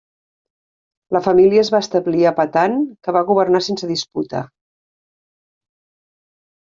La família es va establir a Patan que va governar sense disputa.